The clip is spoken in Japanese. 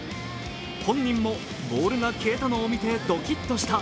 本人もボールが消えたのを見てドキッとした、